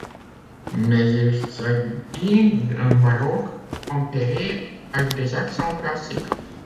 Mais il s'agit d'un baroque tempéré par des accents classiques.